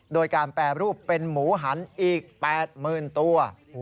โดยการแปรรูปเป็นหมูหันอีก๘๐๐๐ตัว